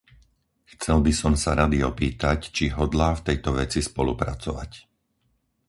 Chcel by som sa Rady opýtať, či hodlá v tejto veci spolupracovať.